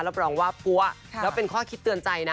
รับรองว่าปั๊วแล้วเป็นข้อคิดเตือนใจนะ